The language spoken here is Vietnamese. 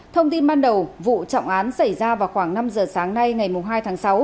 thông tin ban đầu vụ trọng án xảy ra vào khoảng năm giờ sáng nay ngày hai tháng sáu